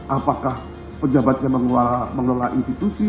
apakah pejabat yang mengelola institusi